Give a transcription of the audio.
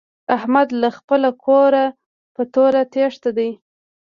احمد له خپله کوره په توره تېښته دی.